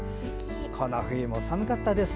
この冬も寒かったですよ。